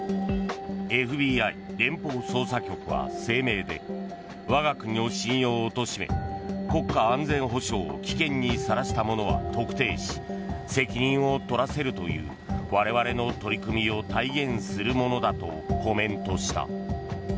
ＦＢＩ・連邦捜査局は声明で我が国の信用をおとしめ国家安全保障を危険にさらした者は特定し責任を取らせるという我々の取り組みを体現するものだとコメントした。